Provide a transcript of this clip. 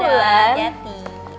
dadah ulan jati